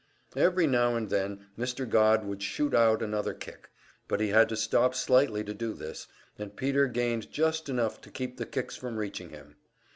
Every now and then Mr. Godd would shoot out another kick, but he had to stop slightly to do this, and Peter gained just enough to keep the kicks from reaching him.